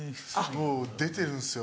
もう出てるんですよ